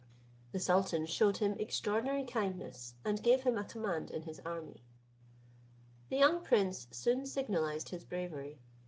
The sultan shewed him extraordinary kindness, and gave him a command in his army. The young prince soon signalized his bravery.